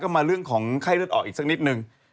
ก็มาเรื่องของไข้เลือดออกอีกสักนิดนึง